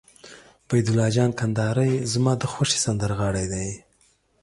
عبیدالله جان کندهاری زما د خوښې سندرغاړی دي.